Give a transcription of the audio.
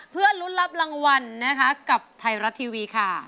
เพื่อลุ้นรับรางวัลนะคะกับไทยรัฐทีวีค่ะ